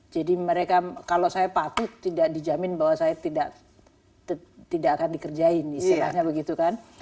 jadi mereka kalau saya patut tidak dijamin bahwa saya tidak akan dikerjain istilahnya begitu kan